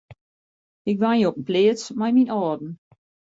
Ik wenje op in pleats mei myn âlden.